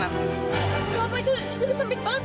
enggak pak itu sempit banget